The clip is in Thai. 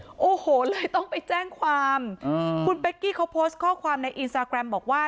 โอ้โหเลยต้องไปแจ้งความคุณเป๊กกี้เขาโพสต์ข้อความในอินสตาแกรมบอกว่า